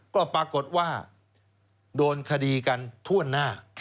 ก็ปรากฏว่าโดนคดีกันทั่วหน้า